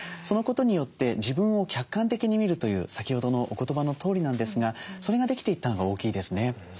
そのことによって自分を客観的に見るという先ほどのお言葉のとおりなんですがそれができていったのが大きいですね。